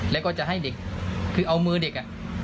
แล้วก็จะให้เด็กคือเอามือเด็ก